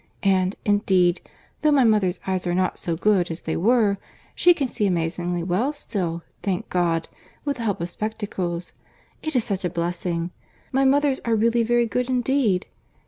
And, indeed, though my mother's eyes are not so good as they were, she can see amazingly well still, thank God! with the help of spectacles. It is such a blessing! My mother's are really very good indeed.